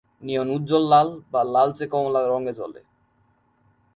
নিয়ন উজ্জ্বল লাল বা লালচে কমলা রঙে জ্বলে।